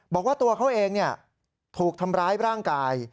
บอกว่าตัวเขาเองถูกทำร้ายร่างกาย